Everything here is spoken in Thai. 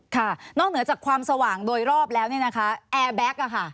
ค่ะนอกเหนือจากความสว่างโดยรอบแล้วเนี่ยนะคะแอร์แบ็ค